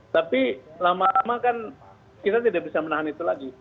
tapi lama lama kan kita tidak bisa menahan itu lagi